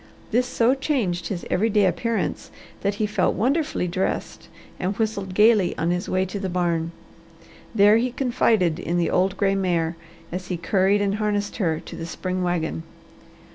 This so changed his every day appearance that he felt wonderfully dressed and whistled gaily on his way to the barn. There he confided in the old gray mare as he curried and harnessed her to the spring wagon.